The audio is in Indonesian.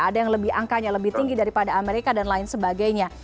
ada yang angkanya lebih tinggi daripada amerika dan lain sebagainya